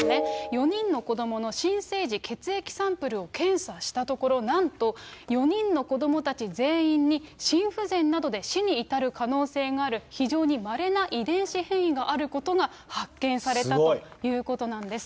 ４人の子どもの新生児血液サンプルを検査したところ、なんと、４人の子どもたち全員に、心不全などで死に至る可能性がある非常にまれな遺伝子変異があることが発見されたということなんです。